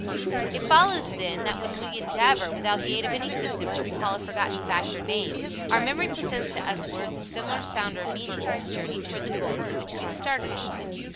It follows, then, that when we endeavor, without the aid of any system, to recall a forgotten fact or name, our memory presents to us words of similar sound or meaning in its journey toward the goal to which we have started it.